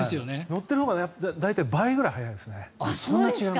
乗ってるほうが大体、倍ぐらい早いですね。